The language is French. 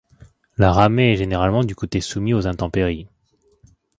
La ramée est généralement du côté soumis aux intempéries.